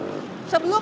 sebelum dia melakukan